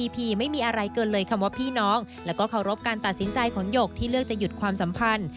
คำว่าพี่น้องแล้วก็เคารพการตัดสินใจของหยกที่เลือกจะหยุดความสัมพันธ์